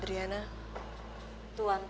tapi kayaknya nginep di rumah adriana